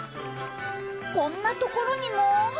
こんなところにも！？